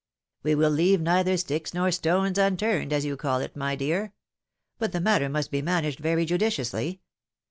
" We win leave neither sticks nor stones unturned, as you call it, my dear. But the matter must be managed very judiciously.